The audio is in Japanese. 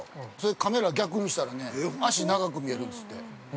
カメラ逆にしたらね脚が長く見えるんですって。